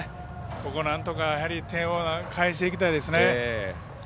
ここ、なんとか点を返していきたいですね。